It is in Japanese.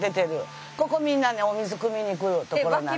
ここみんなねお水くみに来る所なんです。